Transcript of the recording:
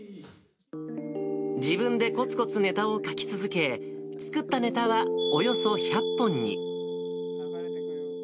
自分でこつこつネタを書き続け、作ったネタはおよそ１００本に。